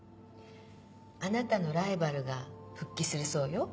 あなたのライバルが復帰するそうよ。